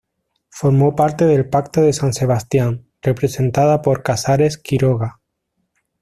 Formó parte del Pacto de San Sebastián, representada por Casares Quiroga.